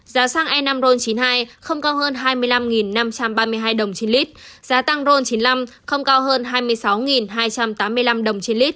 giá xăng e năm ron chín mươi hai không cao hơn hai mươi năm năm trăm ba mươi hai đồng trên lít giá xăng ron chín mươi năm không cao hơn hai mươi sáu hai trăm tám mươi năm đồng trên lít